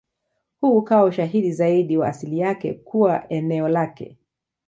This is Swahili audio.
Huu ukawa ushahidi zaidi wa asili yake kuwa eneo lake.